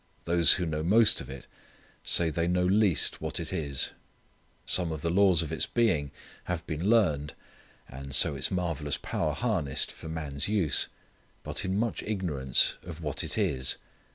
Those who know most of it say they know least of what it is. Some of the laws of its being have been learned, and so its marvellous power harnessed for man's use, but in much ignorance of what it is.